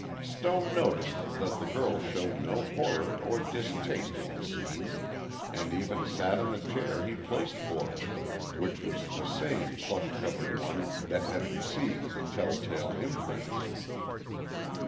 Stone noticed that the girl showed no horror or distaste of the scene, and even sat in the chair he placed for her, which was the same plush covered one that had received the tell tale imprints.